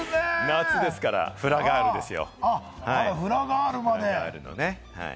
夏ですから、フラガールですよ。